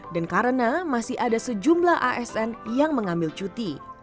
dan karena masih ada sejumlah asn yang mengambil cuti